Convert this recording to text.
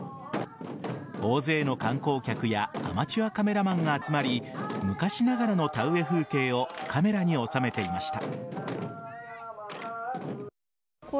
大勢の観光客やアマチュアカメラマンが集まり昔ながらの田植え風景をカメラに収めていました。